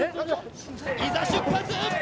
いざ出発